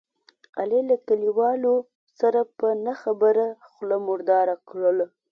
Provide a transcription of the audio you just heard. علي له کلیوالو سره په نه خبره خوله مرداره کړله.